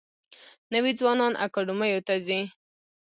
نوي ځوانان اکاډمیو ته ځي.